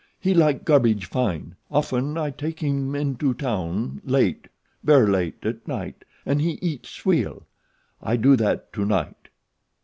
"He like garbage fine. Often I take him into towns late, ver' late at night an' he eat swill. I do that to night.